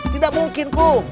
tidak mungkin kum